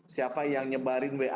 siapa yang nyebarin